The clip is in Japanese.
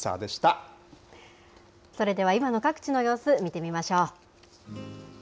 それでは今の各地の様子、見てみましょう。